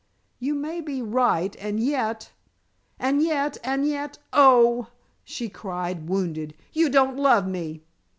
"You may be right, and yet " "And yet, and yet oh," she cried, wounded, "you don't love me."